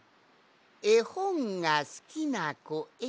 「えほんがすきなこへ」